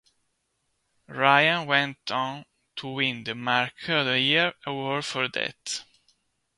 Ryan went on to win the Mark of the Year award for that.